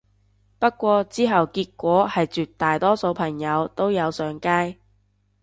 不過之後結果係絕大多數朋友都有上街